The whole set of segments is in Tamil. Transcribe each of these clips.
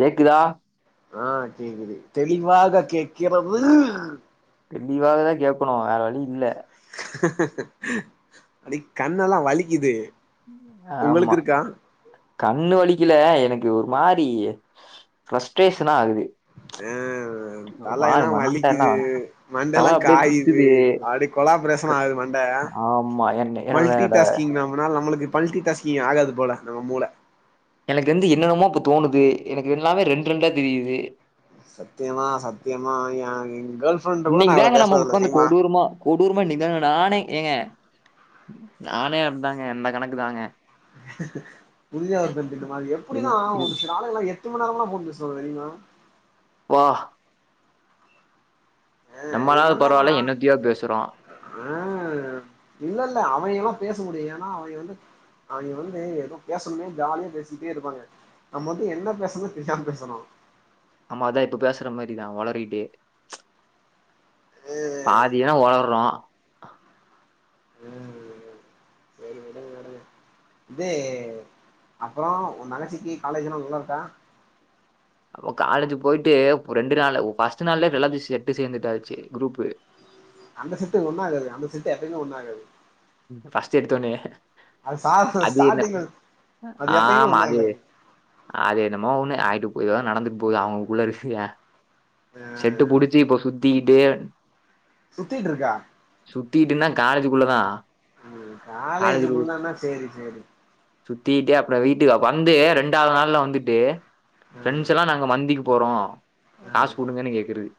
கேக்குதா ஆ கேக்குது தெளிவாக கேக்கிறது தெளிவாதா கேக்கணு வேற வழி இல்ல அப்டி கண்ணெல்லா வலிக்கிது ம் ஆமா கண்ணு வலிக்கல எனக்கு ஒரு மாரி ஃபரஸ்ட்ரேஷனா ஆகுது ம் ஒரு மாரி தலையெல்லா மண்டல்லா வலிக்கிது மண்டை தல எல்லா அப்டியே காயிது சுத்துது அப்டி கொலாப்ரேஷன் ஆகுது மண்ட ஆமா என்ன என்னோட மல்டிடாஸ்கிங் நம்மனால நம்மளுக்கு மல்டிடாஸ்கிங் ஆகாது போல நம்ம மூளை எனக்கு வந்து என்னென்னமோ இப்ப தோணுது எனக்கு எல்லாமே ரெண்டு ரெண்டா தெரியிது சத்தியமா சத்தியமா ஏ கேர்ள் ஃப்ரெண்ட கூட இன்னக்கி நா இவ்ளோ தாங்க நம்ம பேசுனதில்ல ஒக்காந்து தெரியுமா கொடூரமா கொடூரமா இன்னக்கிதாங்க நானே ஏங்க நானே அப்டிதாங்க எந்த கணக்கு தாங்க புரியாது தம்பி இந்த மாதி என் எப்டிதா என் ஒரு சில ஆளை எல்லா ரொம்ப நேரமல்லா ஃபோன் பேசுவாங்க தெரியுமா வா எங்க நம்மளாவது பரவால்ல அண்ணல்லா என்னத்தையோ பேசுறோ ஆ இல்ல இல்ல அவங்க எல்லா பேச முடியு ஏன்னா அவங்க வந்து அவங்க வந்து ஏதோ பேசணுன்னே ஜாலியா பேசிகிட்டே இருப்பாங்க நம்ம வந்து என்ன பேசணுன்னே தெரியாம பேசணு ஆமா அதா இப்ப பேசுற மாரிதா ஒளறிட்டே ஆ பாதி என்ன ஒளர்றோ ஆ சரி விடுங்க விடுங்க இது அப்பறோ ஓ தங்கச்சிக்கு காலேஜ் எல்லா நல்லா இருக்கா அவ காலேஜ் போயிட்டு ரெண்டு நாள்ல ஃபர்ஸ்ட் நாள்லயே எல்லாத்தையு செட்டு சேந்துட்டாச்சி குரூப் அந்த செட்டு ஒண்ணு ஆகாது அந்த செட்டு எப்பயுமே ஒண்ணு ஆகாது ஃபர்ஸ்ட் எடுத்த ஒன்னே அது சா அது என்ன ஸ்டார்டிங்ல அது எப்பயுமே ஆமா ஒண்ணு அது ஆகாது அது என்னமோ ஒண்ணு ஆயிட்டு போகுது ஏதோ நடந்துட்டு போகுது அவங்கக்குள்ள இருக்கு ஆ செட்டு புடுச்சி இப்ப சுத்திகிட்டு சுத்தீட் இருக்கா சுத்திகிட்டுன்னா காலேஜுக்குள்ளதா ம் காலேஜ்க்குள்ளனா சேரி சேரி சுத்திகிட்டு அப்பறோ வீட்டுக்கு வந்து ரெண்டாவது நாள்ல வந்துட்டு ஆ ப்ரெண்ட்ஸ் எல்லா நாங்க மந்திக்கி போறோ ஆ காசு குடுங்கன்னு கேக்குறது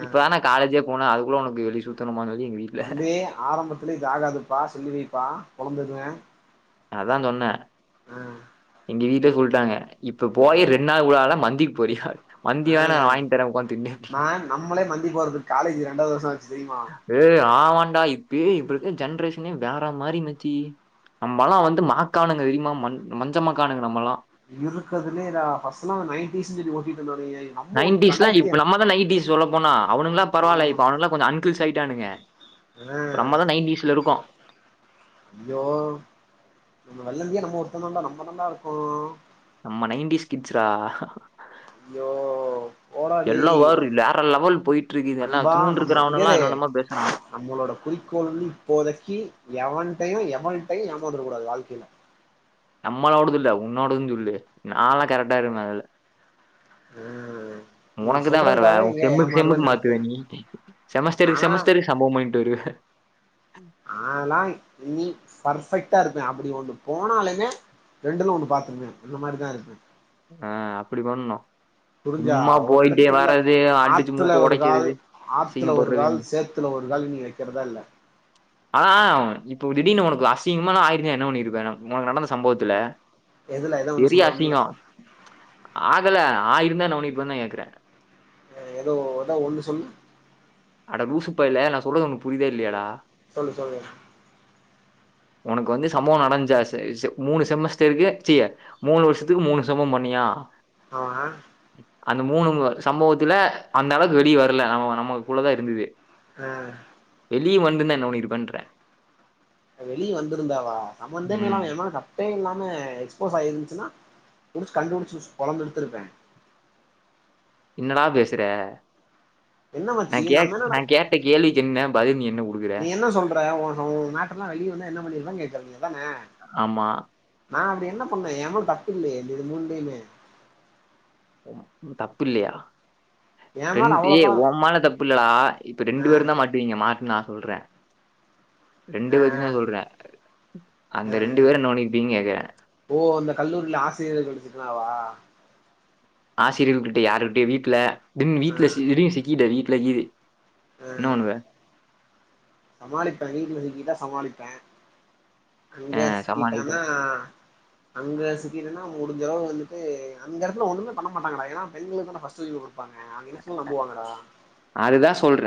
ஆ இப்பதான காலேஜே போன அது குள்ள ஒனக்கு வெளிய சுத்தனுமான் சொல்லி எங்க வீட் தம்பி ஆரம்பத்துலே இது ஆகாதுப்பா சொல்லி வைப்பா கொழந்ததா அதா சொன்ன ஆ எங்க வீட்ல சொல்ட்டாங்க இப்ப ஆ போய் ரெண்டு நாள் கூட ஆகல மந்திக்கு போறியா மந்தி வேணா வேண நான் வாங்கி தரேன் உட்காந்து தின்னு" நா அப்டின்னு. நம்மளே மந்தி போறதுக் காலேஜ் ரெண்டாவது வருசோ ஆச்சு தெரியுமா ஏ ஆமான்டா இப்பயே இப்ப இருக்க ஜென்ரேஷனே வேற மாரி மச்சி நம்மெல்லா வந்து மாக்கானுங்க தெரிமா மண் மஞ்சமாக்கானுங்க நம்மல்லா இருக்கதுலே ரா வஸ்னோ நைன்டிஸ்ன் சொல்லி ஓட்டிட்ருந்தவனுங்கயா நைன்டிஸ்லா இப்ப நம்மதா நைன்டீஸ் சொல்ல போனா அவனுங்கெல்லா பரவால்ல ஆமா இப்ப அவனுங்கலா கொஞ்சோ அன்கிள்ஸ் ஆயிட்டானுங்க அ இப்ப நம்ம தான் இருக்கோம். ஐயோ அந்த வெள்ளந்தியா நம்ம ஒருத்தந்தான்டா நம்ம தான்டா இருக்கோ நம்ம நைன்டிஸ் கிட்சுரா அய்யோ எல்லா வாரு வேற லெவல் போயிட்ருக்கு இது எல்லா நண்பா இத்துனூண்டு நம்ம இங்க இருக்றவனுல்லா இரு என்னென்னமா பேசுறா நம்மளோட குறிக்கோள் இப்போதைக்கு எவன்ட்டயு எவள்ட்டயு ஏமாந்துறக்கூடாது வாழ்க்கைல நம்மளோடது இல்ல உன்னோடதுன் சொல்லு நாள்லா கரெக்டா இருப்பே அதுல ம் நீ உனக்கு தா வேற வே சொல்றதுக்காகவே எங்கயா செம்முக்கு செம்முக்கு ஏமாறுவேன்னு நெனச்சே மாத்துவ நீ செமஸ்டருக்கு ஆனா செமஸ்டருக்கு சம்பவோ பண்ணிட்டு வருவ நாலா இனி பர்பெக்ட்டா இருப்பே அப்டி ஒன்னு போனாலுமே ரெண்டுல ஒன்னு பாத்துருவே அந்த மாரிதா இருப்பே அ அப்டி பண்ணு புரிஞ்சா ஒரு எடத்துகுள்ள அடிச்சு ஆத்துல மூக்க ஒரு கால் ஒடைக்கிறது, ஆத்துல ஒரு கால் அசிங்கப்படுறதுன்னு. சேத் துல ஒரு கால் இனி வைக்கிறதா இல்ல ஆனா இப்போ திடீர்னு உனக்கு அசிங்கமாலா ஆயிருந்தா என்ன பண்ணிருப்பேனோ உனக்கு நடந்த சம்பவத்துல எதுல ஏதோ ஒண்ணு பெரிய சொல்லுவோம்ல அசிங்கோ ஆகல ஆயிருந்தா என்ன பண்ணி இருப்பன் தா கேக்குறே ஏதோ ஏதோ ஒன்னு சொல்லு அட லூசு பயல நா சொல்றது உனக்கு புரிதா இல்லயாடா சொல்லு சொல்லு உனக்கு வந்து சம்பவோ நடஞ்சா செ செ மூணு செமஸ்டருக்கு சீ மூணு வருஷத்துக்கு மூணு சம்பவம் பண்ணியா ஆஆ அந்த மூணு சம்பவத்துல அந்தளவுக்கு வெளிய வரல நம்ம நமக்குள்ளதா இருந்தது அ வெளிய வந்துனா என்ன பண்ணிருப்பன்றே வெளிய வந்திருந்தாவா ம். சம்பந்தமேலாம எ மேல தப் தப்பே இல்லாம எக்ஸ்போஸ் ஆயிருந்துச்னா புடிச்சு கண்டுபுடிச்சு பொளந்து எடுத்திருப்பே என்னடா பேசுற என்ன நா மச்சி நம்ம கேட் என்னடா நா கேட்ட கேள்விக்கு என்ன பதில் நீ என்ன குடுக்குற வெல்லா வெளிய வந்தா என்ன பண்ணிருப்பன் கேக்குற நீ அதான ஆமா நா அப்டி என்ன பண்ணே எ மேல தப்பு இல்லயே இந்த இது மூன்லயுமே தப்பு இல்லயா என் மேல ரெண்டு ஏ அவ்வளோக்கெல்லா ஒ மேல தப்பு இல்லடா இப்ப ரெண்டு ஆ பேருந்தா மாட்டுவீங்க மாட்னா சொல்றே ரெண்டு ஆ பேத்தயுந்தா சொல்றே ஆ அந்த ரெண்டு ஆ பேரு என்ன பண்ணிருப்பீங்கன் கேக்குறே ஓ அந்த கல்லூரில ஆசிரியர்கள் திட்னாவா ஆசிரியர்கள் கிட்ட யாருட்டயு வீட்ல தென் ஆ வீட்ல சி திடீர்னு சிக்கீட்ட வீட்ல கீது என்ன பண்ணுவ சமாளிப்பே வீட்ல சிக்கிட்டா சமாளிப்பே அங்க அ சமாளிப்ப. சிக்கிட்டானா அங்க சிக்கிட்டனா முடிஞ்சளவு வந்துட்டு அந்த எடத்துல ஒன்னுமே பண்ண மாட்டாங்கடா ஏனா பெண்களுக்கு தான்டா ஃபஸ்ட்டு உரிம குடுப்பாங்க அவ்ங்க என்ன சொன்னால் நம்புவாங்கடா அதுதா சொல்ற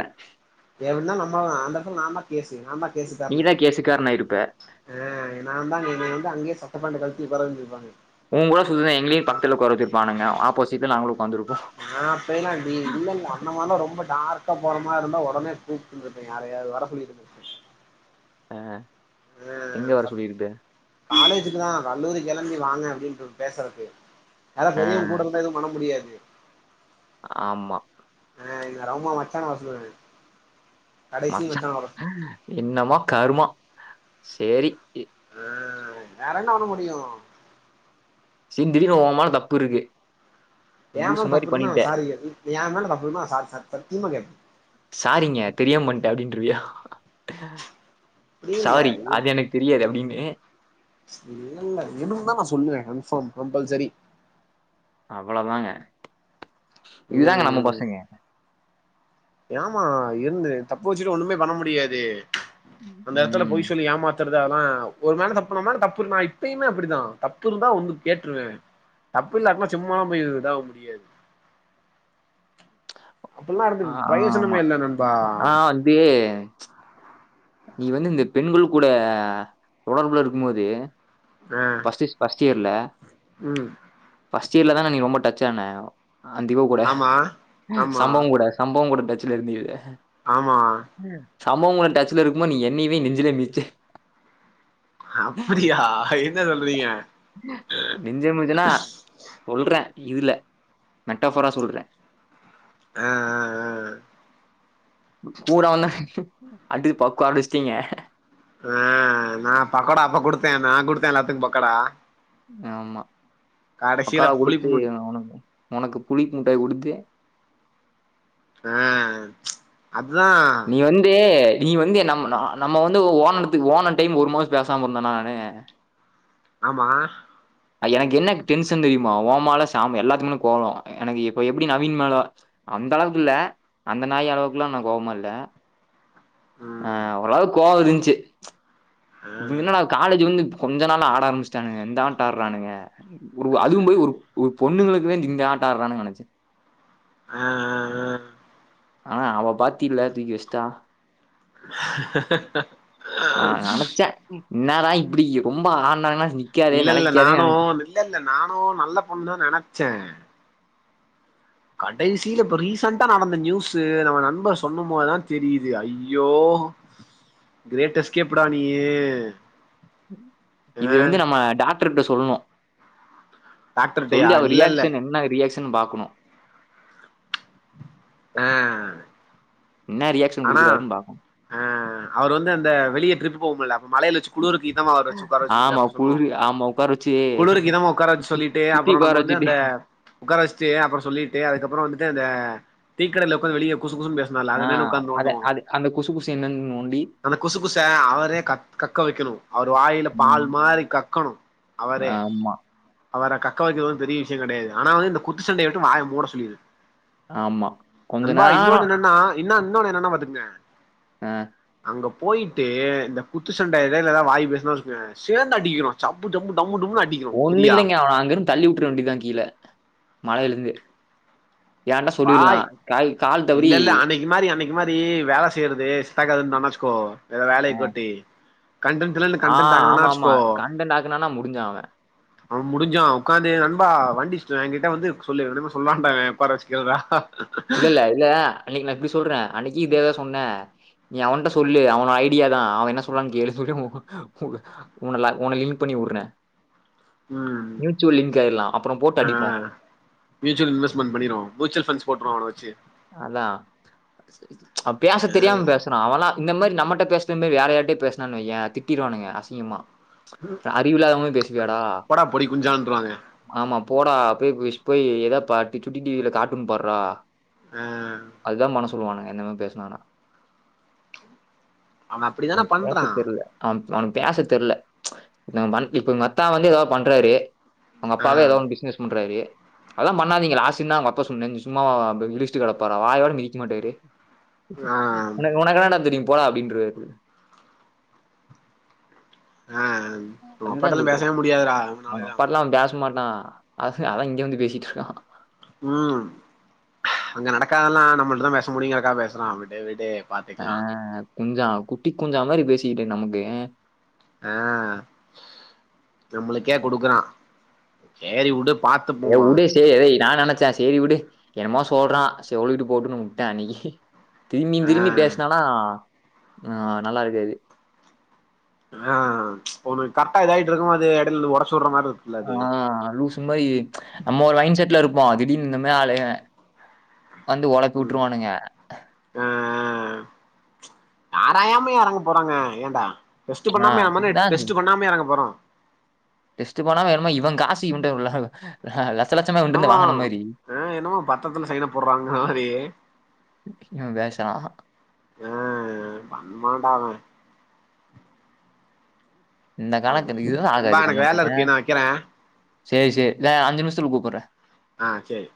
எதுனா நம்மதா அந்த எடத்துல நார்மலா பேசு நார்மலா நீ தா கேசுக் காரணோ ஆய்ருப்ப ஆ நா தா அங்க என்னய வந்து அங்கயே சட்ட பேண்ட்ட கல்ட்டி உக்கார வெச்சிருப்பாங்க உங் கூட சுத்திர்ந்தா எங்களயு பக்த்துல உக்கார வெச்சிருப்பானுங்க ஆப்போசிட்ல நாங்ளு உக்காந்துருப்போ ஆ போயிர்லான்டி இல்லல்ல அந்த மார்லா ரொம்ப டார்க்கா போற மார்ருந்தா ஒடனே கூப் ட்ருந்துருப்பே யாரயாவ்து வர சொல்லிருந்துருப்பே ஆ எங்க வர ஃபஸ் சொல்லிருப்ப காலேஜுக்கு தா கல்லூரி கெளம்பி வாங்க அப்டின்ருப் பேசறக்கு யாரா அ பெரியவங் கூட இருந்தா எதுவு பண்ண முடியாது ஆமா ஆ என்னோட அம்மா மச்சான வர சொல்லுவாரு மச்சா என்னமோ கருமோ சேரி ஆ வேறென்ன பண்ண முடியு சேர் திடீர்னு ஓமேல தப்பிருக்கு எ மேல தப்பிருக்குனா நா சாரி கேப்பே இப் எ மேல தப்பிருக்குனா நா சாரி சாரி சத்தியமா கேப்பே சாரிங்க தெரியாம பண்ட்டே அப்டின்ருவியா அப்டி இல்ல சாரி இரு அது எனக்கு தெரியாது அப்டின்னு இல்லல்ல இருந்தா நா சொல்லுவே கன்ஃபாம் கம்ப்பல்சரி அவ்ள தாங்க இதுதாங்க நம்ம ம் பசங்க ஏமா இர்ந்து தப்பு வெச்சுட்டு ஒன்னுமே பண்ண முடியாது ம். அந்த எட்த்துல ம் பொய் சொல்லி ஏமாத் தறது அதுலா ஒருவேள தப்பு பண்ணம்னா அதுல தப்பிருக்கு நா இப்பயுமே அப்டிபிதா தப்பிருந்தா வந்து கேட்ருவே தப்பு இல்லாட்னா சும்மாலா போய் இதாக முடியாது அப்பல்லா இருந்து ஆ ஆ ஆமா பிரயோஜனமே இல்ல நண்பா ஆ வந்து நீ வந்து இந்த பெண்கள் கூட தொடர்புல இருக்கு மோது அ சிஸ் ஃபஸ்ட் இயர்ல ம் ஃபஸ்ட் இயர்ல தான நீ ரொம்ப டச் ஆனா அந்த இவ கூட ஆமா ஆமா சம்பவோ கூட சம்பவோ கூட டச்சுல இருந்தியே ஆமா சம்பவோ கூட டச்ல இருக்கு மோத் நீ என்னைவே நெஞ்சுலே மித்ச்ச அப்பிடியா என்ன சொல்றீங்க சொல்ற இதுல மெட்டாஃபரா சொல்ற ஆ ஆ கூட வந்தே அடிச் பக்கோட் வெஸ்ட்டீங்க ஆ நா பக்கோடா அப்ப குடுத்தே நா குடுத்தே எல்லாத்துக் பக்கோடா ஆமா கடைசில பக்கோடா புளிப்பு குடுத்து முட் உனக் உனக்கு புளிப் முட்டாய் குடுத்து ஆ அதா நீ வந்து நீ வந்து நம் நம்ம வந்து ஓனக்கு ஓனர் டைம் ஒரு மாச பேசாம இருந்தனா நானு ஆமா எனக்கு என்ன டென்ஷன் தெரியுமா ஓமால சாம் எல்லாத்துக் மேல கோவோ எனக்கு இப்ப எப்டி நவீன் மேல அந்த அளவுக்கு இல்ல அந்த நாய் அளவுக்கெல்லா கோவமா இல்ல ஆ ம் ஓரளவு கோவ இருந்ச்சு ஆ இவுங்க என்னடா காலேஜ் வந்து கொஞ்ச நாள்ல ஆட ஆரம்பிச்சுட்டானுங்க இந்த ஆடோ ஆட்றானுங்க ஒரு அதுவு போய் ஒரு ஒரு பொண்ணுங்களுக்கு வேண்டி இந்த ஆட்ட ஆடுறாங்கன்னு நினச்சே ஆ ஆனா அவ பாத்தில்ல தூக்கி வச்டா ஆ நா ஆ நெனச்சே என்னடா இப்டி ரொம்ப ஆட்னாங்ன்னா இல்ல இல்ல நானு இல்ல இல்ல நானு நல்ல பொண்ணு தான் நெனைச்ச கடைசில இப்ப ரீசண்டா நடந்த நியூஸு நம்ம நண்ப சொன்ன போதுதா தெரியுது ஐயோ கிரேட் எஸ்கேப்டா நீயு இது வந்து நம்ம டாக்டர்ட்ட சொல்லணு டாக்டர்ட்டயா சொல்லி அவ இல்ல இல்ல ரியாக்ஷன் என்ன ரியாக்சனு பாக்ணு ஆ என்னே ரியாக்ஷன் ஆனா குடுக்குறாருன்னு பாப்போ ஆ அவர் வந்து அந்த வெளிய ட்ரிப் போவுமுல அப்ப மலையில வச்சு குலுறுக்கிதமா அவர் வச்சி உக்கார வச்சி ஆமா அப்ப சொல்வோ குளிரு ஆமா உக்கார வச்சு குளிருக்கு இதமா உக்கார வச்சு சொல்லிட்டு சுத்தி அப்புற உக்கார நம்ம வந்து வச்சுட்டு அந்த உக்கார வச்ட்டு அப்புற சொல்லிட்டு அதுக்கப்பற வந்துட்டு அந்த டீக்கடல உக்காந்து வெளிய குசு குசு பேச ஆ அத அது அந்த குசு குசு என்னென் நோண்டி அந்த குசு குச அவரே கக்க வெக்கணு அவர் வாயில பால் ம் மாதிரி கக்கணு அவரே ஆமா அவர கக்க வைக்கிறது ஒன்னு பெரிய விஷ்யோ கெடையாது ஆனா வந்து இந்த குத்துச்சண்டைய விட்டு வாய மூட சொல்லிரு ஆமா கொஞ்ச நண்பா நேரோ இன்னொன்னு என்னன்னா இன்னா இன்னொன்னு என்னன்னா பாத்துங்க ஆ அங்க போயிட்டு இந்த குத்து சண்ட எடைல எதா வாய் பேஸ்னா வச்சிகவே சேந்து அடிக்கிறோ சப்பு ஜம்பு டம்மு டும்முனு அடி ஒண்ணு இல்லைங்க அவன அங்குருந்து தள்ளி விட்ற வேண்டிதா கீழ மழையில இருந்து கேட்டா சொல்லிட்லா கால் கால் தவறி இது மாரி அன்னைக்கு மாரி வேல செய்யறது சித்தாகாதுன்னானா வச்சுக்கோ இத வேலைய கோட்டி கண்டென்ட்ல்லா இல்ல ஆ கண்டென்ட் ஆகுலனா ஆமா ஆமா வச்க்கோ கண்டன்ட் ஆக்குனானா முடிஞ்சா அவ அவன் முடிஞ்சான் உக்காந்தே நண்பா வண்டி [unintelligible] ஏ கிட்ட வந்து சொல்லு இவே என்ன தெரியுமா சொல்வான்பே உக்கார வச் கேக்குதா இல்ல இல்ல இல்ல அன்னைக்கு நா இப்டி சொல்றே அன்னைக்கு இதேதா சொன்னே நீ அவன்ட்ட சொல்லு அவனோட ஐடியா தா அவன் என்ன சொல்றான்னு கேளு சொல்லு உனல உன லிங்க் பண்ணி உட்ரே ம் மியூச்சுவல் லிங்க் ஆயிட்லா அப்புறம் போட்டு அடிப்போ மியூசல் இன்வெஸ்ட்மென்ட் பன்னிடுவோ மியூச்சுவல் ஃபண்ட்ஸ் போட்டுருவோ அவன வச்சு அதா அவ பேச தெரியாம ஆ பேஸ் அவல்லா இந்த மாரி நம்மட்ட பேஸ்ன மேரி வேற யார்ட்ட பேஸ்னானு வையே திட்டிர்வானுங்க அசிங்கமா அறிவு இலாத மாரி பேசுவியாடா போடா பொடி குஞ்சான்ருவாங்க ஆமா போடா போய் போய் போயி ஏதா பா சுட்டி டி வி ல கார்ட்டூன் பார்றா ஆ அதா பண்ண சொல்லுவாங்க இந்த மாறி பேஸ்னா அவ அப்டிதான உம் பண்றா பேசத்தெர்ல அவ அவனுக்கு பேச தெர்ல இப்ப அத்தா வந்து எதா பண்றாரு அவுங்க ஆ அப்பாவே ஏதா ஒன் பிசுனஸ் பண்றாரு அதா பண்ணாதீங்க லாசின் தா அவுங்க அப்பா சொன்ன சும்மாவ இடுச்ட்டு கெடப்பாற வாயோட மிதிக்க மாட்டாரு ஆ உ ஒனக்கு என்ன டா தெரியு போடா அப்டின்ருவாறு ஆ உங்க அதுதா அப்பாட்டல்லா சொல்றே பேசவே முடியாதுடா அவுங்க இவனாலலா அப்பால்லா அவ பேச மாட்டா அது அதா இங்க வந்து பேசிட்டு இருக்கா உம் அங்க நடக்காதெல்லா நம்மட்ட தா பேச முடியுங்கிறதுக்காக பேசுறா விடு விடு அ பாத்துக்கலா குஞ்சா குட்டி குஞ்சா மாரி பேசிக்கிட்டு நமக்கு ஆ நம்மளுக்கே குடுக்குறா சேரி விடு ஏ விடு செரி ஏதய நா நெனச்சே சேரி விடு என்னமா சொல்றா செரி சொல்லிட்டு போட்டுனு விட்டே அன்னைக்கு திரும்பியு திரும்பியு ஆ பேசுனானா ஆ நல்லா இருக்காது ஆ ஒன்னு கரெக்டா இதாயி இட்ருக்கு போது அது எடையல இருந்து ஒடச்சுடுற மாரி இருக்கு ஆ லூசு மாயி நம்ம ஒரு மைன் செட்ல இருப்போ திடீர்னு இன்னமாதி ஆலுக வந்து ஒழப்பி ம் விட்டுருவானுங்க ஆ ஆ ஆராயாம எறங்க போறாங்க ஏன்டா டெஸ்ட்டு ஆ. பண்ணாம நம்ம என்ன அதான் டெஸ்ட் டுபண்ணாமய எறங்க போறோ டெஸ்ட்டு பண்ணாமா என்னமோ இவ காசு இவன்ட உள்ள ஆ லெட்ச லெட்சம என்னமோ ஆ என்னமோ பத்தரத்துல சைன போடுற மாரி ம் பேசா வேணா ஆ மண்டடா அவே இந்த அவ கணக்கு இதுவு நண்பா ஆகாது எனக்கு நமக்கு வேல ஆ இருக்கு நா வைக்கிறே செ செ ந அஞ்சு நிமிஷத்துல கூப்புறே ஆ சேரி